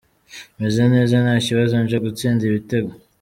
Meze neza nta kibazo, nje gutsinda ibitego”.